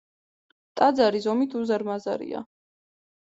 ტაძარი ზომით უზარმაზარია.